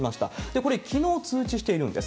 これ、きのう通知しているんです。